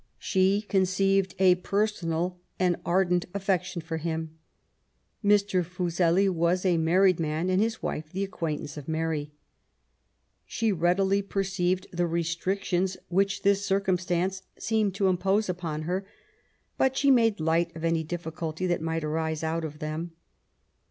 She conceived a personal and ardent affection for him. Mr. Fuseli was a married man, and his wife the acquaintance of Mary. She readily perceived the restrictions which this circumstance seemed to impose upon her ; but she made light of any difficulty that might arise out of them.